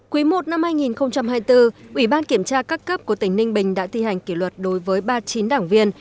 quý i năm hai nghìn hai mươi bốn ủy ban kiểm tra các cấp của tỉnh ninh bình đã thi hành kỷ luật đối với ba mươi chín đảng viên